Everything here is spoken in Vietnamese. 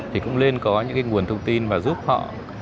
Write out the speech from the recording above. thì cũng nên có những nguồn thông tin và giúp họ